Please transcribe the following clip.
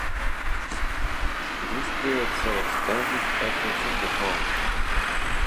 This period saw extensive efforts at reform.